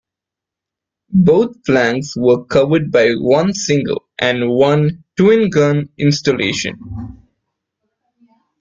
Both flanks were covered by one single and one twin gun installation.